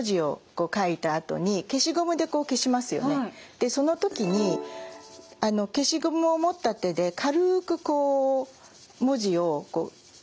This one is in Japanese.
でその時に消しゴムを持った手で軽く文字を消しますよね。